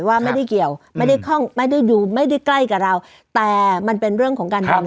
ว่าไม่ได้เกี่ยวไม่ได้ข้องไม่ได้อยู่ไม่ได้ใกล้กับเราแต่มันเป็นเรื่องของการทำ